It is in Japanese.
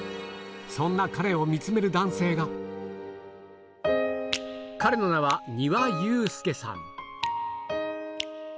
そんな彼を見つめる男性が彼の名は丹羽悠介さん